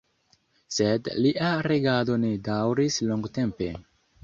Sed lia regado ne daŭris longtempe.